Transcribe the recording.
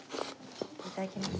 いただきます。